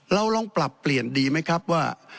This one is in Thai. เราลองปรับเปลี่ยนดีไหมครับว่า